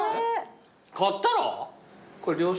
買ったら？